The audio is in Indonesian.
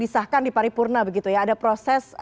disahkan di paripurna ada proses